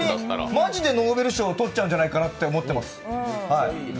マジでノーベル賞取っちゃうんじゃないかなと思ってます。